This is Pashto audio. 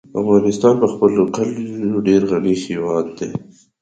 افغانستان په خپلو کلیو ډېر غني هېواد دی.